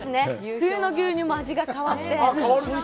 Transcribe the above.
冬の牛乳も味が変わって。